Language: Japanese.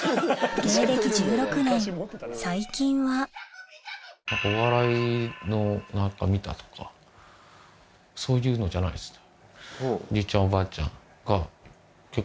芸歴１６年最近は「お笑いの見た」とかそういうのじゃないですね。